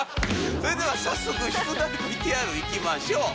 それでは早速出題ＶＴＲいきましょう。